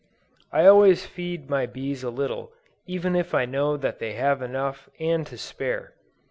I always feed my bees a little, even if I know that they have enough and to spare.